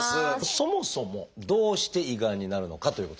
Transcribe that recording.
そもそもどうして胃がんになるのかということなんですが。